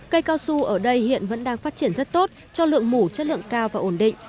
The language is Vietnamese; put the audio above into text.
cây cao su ở đây hiện vẫn đang phát triển rất tốt cho lượng mủ chất lượng cao và ổn định